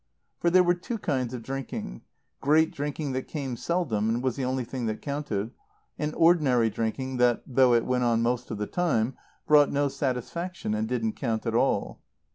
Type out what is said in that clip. For there were two kinds of drinking: great drinking that came seldom and was the only thing that counted, and ordinary drinking that, though it went on most of the time, brought no satisfaction and didn't count at all.